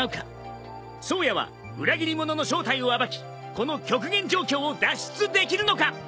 颯也は裏切り者の正体を暴きこの極限状況を脱出できるのか！？